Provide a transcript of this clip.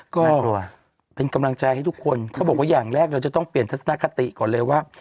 ก็เป็นกำลังใจให้ทุกคนเขาบอกว่าอย่างแรกเราจะต้องเปลี่ยนทัศนคติก่อนเลยว่า